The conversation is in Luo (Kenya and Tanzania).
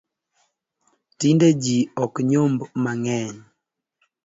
Tinde jii ok nyomb mangeny